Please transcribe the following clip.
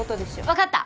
わかった！